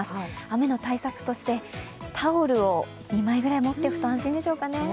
雨の対策として、タオルを２枚ぐらい持っていくと安心ですね。